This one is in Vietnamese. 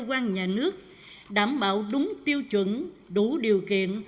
cơ quan nhà nước đảm bảo đúng tiêu chuẩn đủ điều kiện